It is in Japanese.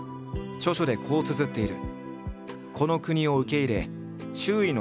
著書でこうつづっている。